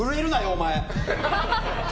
お前。